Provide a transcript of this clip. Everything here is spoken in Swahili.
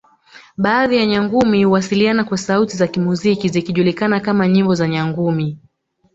Baadhi ya Nyangumi huwasiliana kwa sauti za kimuziki zikijulikana kama nyimbo za Nyangumi